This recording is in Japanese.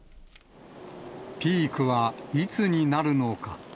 ピークはいつになるのか。